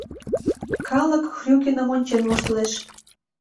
Калык Хрюкиным ончен воштылеш...